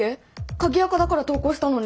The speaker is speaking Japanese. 鍵アカだから投稿したのに！